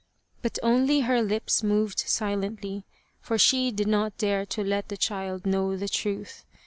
" But only her lips moved silently, for she did not dare to let the child know the truth.